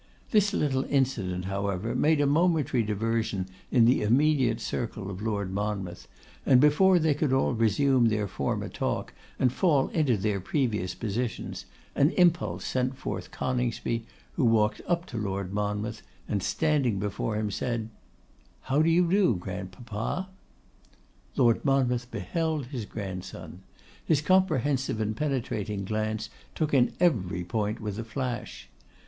This little incident, however, made a momentary diversion in the immediate circle of Lord Monmouth, and before they could all resume their former talk and fall into their previous positions, an impulse sent forth Coningsby, who walked up to Lord Monmouth, and standing before him, said, 'How do you do, grandpapa?' Lord Monmouth beheld his grandson. His comprehensive and penetrating glance took in every point with a flash.